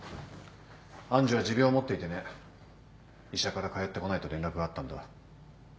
愛珠は持病を持っていてね医者から帰ってこないと連絡があったんだ。